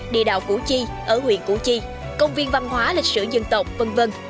địa đạo củ chi ở huyện củ chi công viên văn hóa lịch sử dân tộc v v